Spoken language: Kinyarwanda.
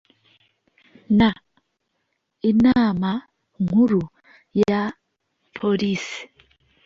n inama nkuru ya polisi